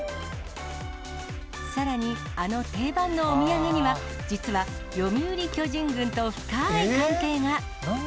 さらに、あの定番のお土産には、実は読売巨人軍と深い関係が。